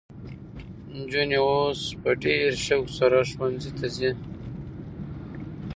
نجونې اوس په ډېر شوق سره ښوونځي ته ځي.